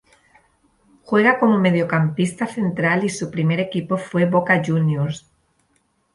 Juega como mediocampista central y su primer equipo fue Boca Juniors.